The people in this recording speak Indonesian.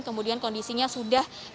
kemudian kondisinya sudah berubah